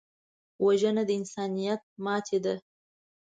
وژنه د انسانیت ماتې ده